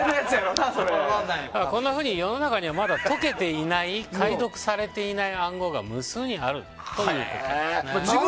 世の中にはまだ解けていない解読されていない暗号が無数にあるということですね。